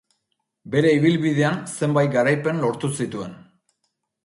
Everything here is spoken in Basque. Bere ibilbidean zenbait garaipen lortu zituen.